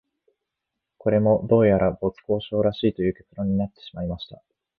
これも、どうやら没交渉らしいという結論になってしまいました